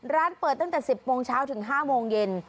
ร้านเปิดตั้งแต่๑๐โมงเช้าถึง๕โมงเย็น